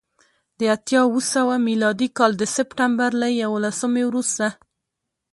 د اتیا اوه سوه میلادي کال د سپټمبر له یوولسمې وروسته